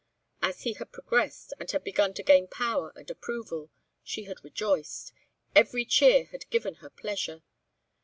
As he had progressed and had begun to gain power and approval, she had rejoiced; every cheer had given her pleasure.